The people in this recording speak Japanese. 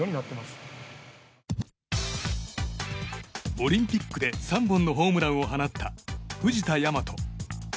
オリンピックで３本のホームランを放った藤田倭。